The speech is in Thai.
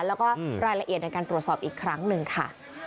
แล้วก็รายละเอียดในการตรวจสอบอีกครั้งหนึ่งค่ะ